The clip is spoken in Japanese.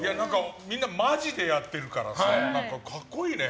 みんな、マジでやってるからさ格好いいね。